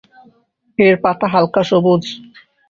এর পাতা হালকা সবুজ।